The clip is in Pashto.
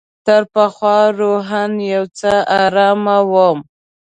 تر پخوا روحاً یو څه آرام وم.